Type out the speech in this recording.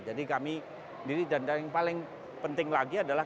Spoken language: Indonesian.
jadi kami dan yang paling penting lagi adalah